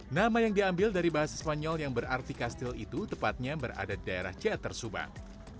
nama yang diambil dari bahasa spanyol yang berarti kastil itu tepatnya berada di daerah ceater subang